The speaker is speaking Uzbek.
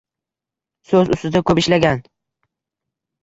So‘z ustida ko‘p ishlagan